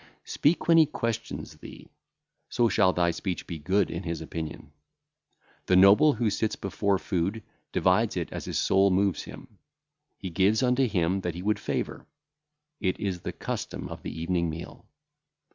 Speak when he questioneth thee; so shall thy speech be good in his opinion. The noble who sitteth before food divideth it as his soul moveth him; he giveth unto him that he would favour it is the custom of the evening meal.